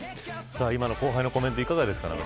今の後輩のコメントいかがですか。